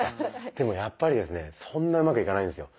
でもやっぱりですねそんなうまくいかないんですよ。